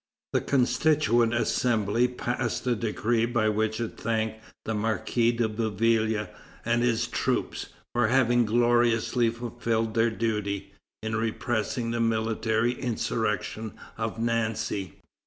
The Constituent Assembly passed a decree by which it thanked the Marquis de Bouillé and his troops "for having gloriously fulfilled their duty" in repressing the military insurrection of Nancy.